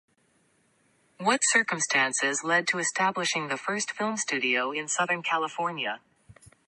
What circumstances led to establishing the first film studio in Southern California?